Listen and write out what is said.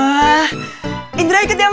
masukin tasnya papa ke dalam